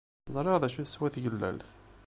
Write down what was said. Ẓriɣ d acu teswa tgellelt.